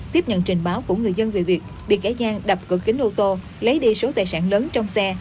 tiếp nhận trình báo của người dân về việc bị kẻ gian đập cửa kính ô tô lấy đi số tài sản lớn trong xe